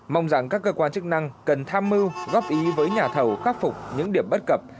mong rằng các cơ quan chức năng cần tham mưu góp ý với nhà thầu khắc phục những điểm bất cập